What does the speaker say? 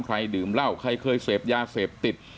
ดื่มเหล้าใครเคยเสพยาเสพติด